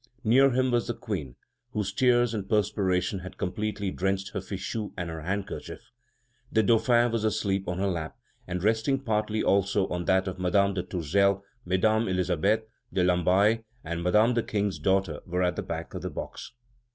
Near him was the Queen, whose tears and perspiration had completely drenched her fichu and her handkerchief. The Dauphin was asleep on her lap, and resting partly also on that of Madame de Tourzel. Mesdames Elisabeth, de Lamballe, and Madame the King's daughter were at the back of the box.